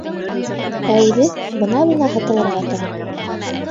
Ә үҙе бына-бына һытылырға тора.